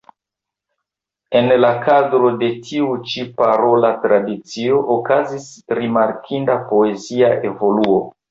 En la kadro de tiu ĉi parola tradicio okazis rimarkinda poezia evoluo.